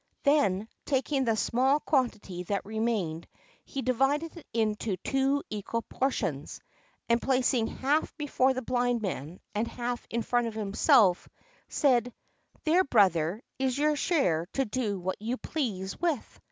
Then, taking the small quantity that remained, he divided it into two equal portions, and placing half before the Blind Man and half in front of himself, said: "There, brother, is your share to do what you please with."